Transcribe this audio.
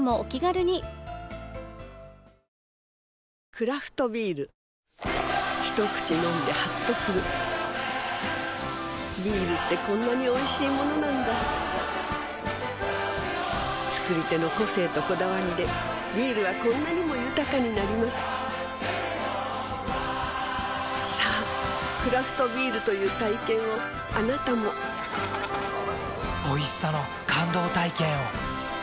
クラフトビール一口飲んでハッとするビールってこんなにおいしいものなんだ造り手の個性とこだわりでビールはこんなにも豊かになりますさぁクラフトビールという体験をあなたもおいしさの感動体験を。